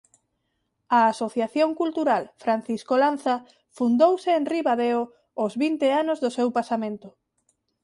A Asociación Cultural Francisco Lanza fundouse en Ribadeo ós vinte anos do seu pasamento.